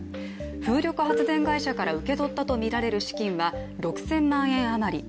風力発電会社から受け取ったとみられる資金は６０００万円余り。